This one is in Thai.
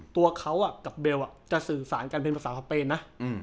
ตัวเขากับเบลจะสื่อสารกันเป็นภาษาสเปนนะ